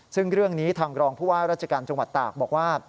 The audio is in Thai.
ซึ่งเรื่องนี้ทางรองผู้ว่าราชการจังหวัดตากบอกว่า